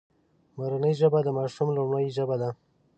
مورنۍ ژبه د ماشوم لومړۍ ژبه ده